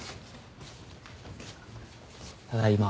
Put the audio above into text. ただいま。